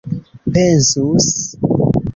pensus